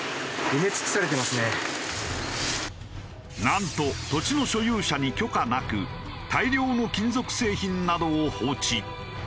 なんと土地の所有者に許可なく大量の金属製品などを放置。